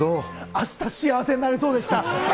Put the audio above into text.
あした幸せになれそうでした。